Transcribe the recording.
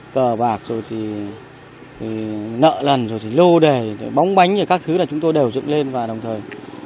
tờ bạc rồi thì nợ lần rồi thì lô đề bóng bánh rồi các thứ là chúng tôi đều dựng lên và đồng thời